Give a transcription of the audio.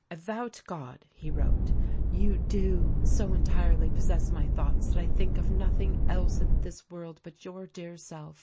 "I vow to God," he wrote, "you do so entirely possess my thoughts that I think of nothing else in this world but your dear self.